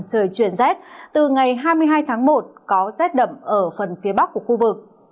trời chuyển rét từ ngày hai mươi hai tháng một có rét đậm ở phần phía bắc của khu vực